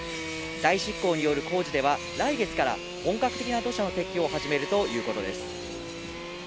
代執行による工事では、来月から本格的な土砂の撤去を始めるということです。